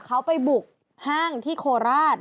เขาไปบุกห้างที่โคราช